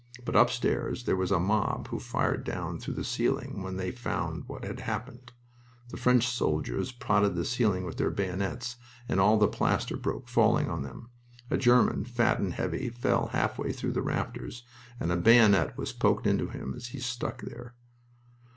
But upstairs there was a mob who fired down through the ceiling when they found what had happened. The French soldiers prodded the ceiling with their bayonets, and all the plaster broke, falling on them. A German, fat and heavy, fell half way through the rafters, and a bayonet was poked into him as he stuck there.